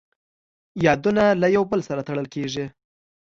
یادونه له یو بل سره تړل کېږي.